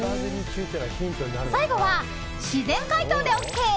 最後は、自然解凍でＯＫ。